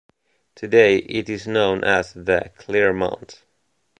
Today it is known as the "Clermont".